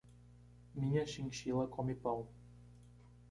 Minha chinchila come pão.